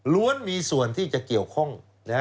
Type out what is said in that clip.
มีส่วนที่จะเกี่ยวข้อง